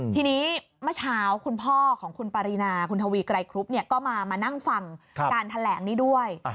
ทีนี้เมื่อเช้าคุณพ่อของคุณปารีนาคุณทวีไกรครุบก็มานั่งฟังการแถลงนี้ด้วย